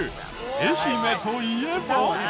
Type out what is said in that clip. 愛媛といえば？